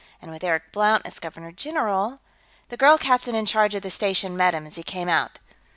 And with Eric Blount as Governor General.... The girl captain in charge of the station met him as he came out.